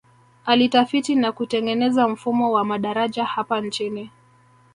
Alitafiti na kutengeneza mfumo wa madaraja hapa nchini